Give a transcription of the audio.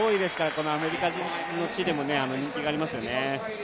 このアメリカの地でも人気がありますよね。